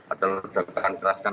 atau sudah dikeraskan